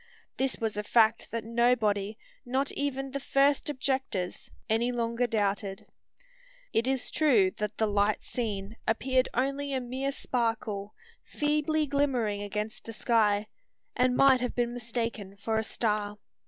This was a fact that nobody not even the first objectors any longer doubted. It is true that the light seen appeared only a mere sparkle, feebly glimmering against the sky, and might have been mistaken for a star.